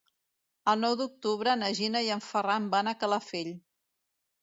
El nou d'octubre na Gina i en Ferran van a Calafell.